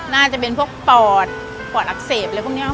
น่าจะเป็นพวกปอดปอดอักเสบอะไรพวกนี้